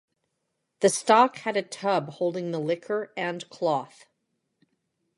The stock had a tub holding the liquor and cloth.